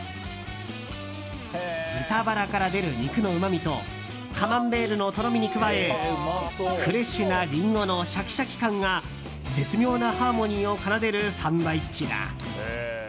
豚バラから出る肉のうまみとカマンベールのとろみに加えフレッシュなリンゴのシャキシャキ感が絶妙なハーモニーを奏でるサンドイッチだ。